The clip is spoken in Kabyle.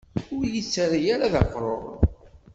Ur yi-ttarra ara d aqrur.